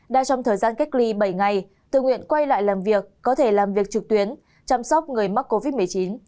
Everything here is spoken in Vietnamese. đang trong thời gian cách ly bảy ngày tự nguyện quay lại làm việc có thể làm việc trực tuyến chăm sóc người mắc covid một mươi chín